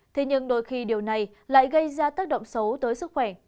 thế nhưng đôi khi điều này lại gây ra tác động xấu tới sức khỏe